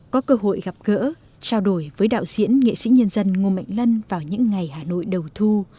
có cơ hội gặp gỡ trao đổi với đạo diễn nghệ sĩ nhân dân ngô mạnh lân vào những ngày hà nội đầu thu